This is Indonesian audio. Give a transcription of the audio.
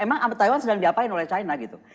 emang taiwan sedang diapain oleh china gitu